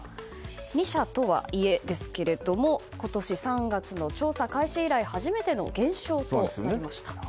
２社とはいえですけれども今年３月の調査開始以来初めての減少となりました。